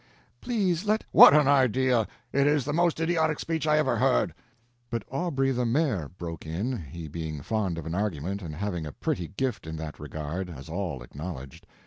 Please let—" "What an idea! It is the most idiotic speech I ever heard." But Aubrey, the maire, broke in, he being fond of an argument, and having a pretty gift in that regard, as all acknowledged.